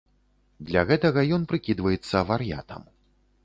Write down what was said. Для гэтага ён прыкідваецца вар'ятам.